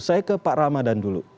saya ke pak ramadhan dulu